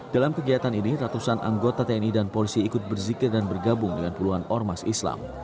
dalam kegiatan ini ratusan anggota tni dan polisi ikut berzikir dan bergabung dengan puluhan ormas islam